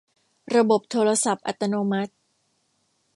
ระบบโทรศัพท์อัตโนมัติ